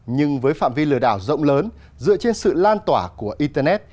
nhưng với phạm vi lừa đảo rộng lớn dựa trên sự lan tỏa của internet